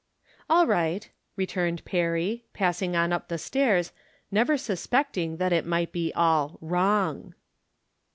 " All right," returned Perry, passing on up the stairs, never suspecting that it might be all wrong.